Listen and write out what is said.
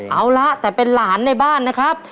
เอาละแต่เป็นหลานในบ้านนะครับ